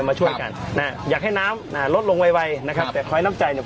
มาช่วยกันนะฮะอยากให้น้ำอ่าลดลงไวนะครับแต่ขอให้น้ำใจเนี่ย